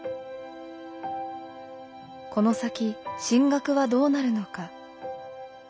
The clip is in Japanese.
この先進学はどうなるのか？